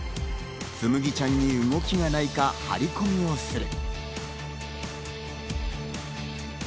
つむぎちゃんに動きがないか張り込みをする。